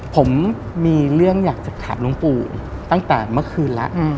ผมมีเรื่องอยากจะถามหลวงปู่ตั้งแต่เมื่อคืนแล้ว